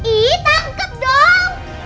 ih tangkep dong